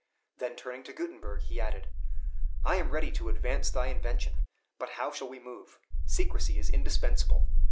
Then, turning to Gutenberg, he added, "I am ready to advance thy invention. But how shall we move? Secrecy is indispensable.